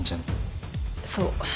そう。